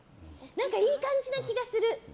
何かいい感じな気がする。